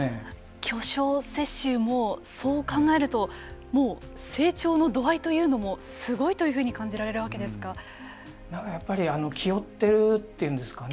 巨匠雪舟もそう考えるともう成長の度合いというのもすごいというふうになんかやっぱり気負っているというんですかね。